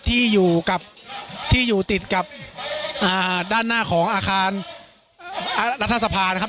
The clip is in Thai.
ที่อยู่กับที่อยู่ติดกับด้านหน้าของอาคารรัฐสภานะครับ